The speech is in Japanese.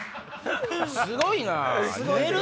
すごいな！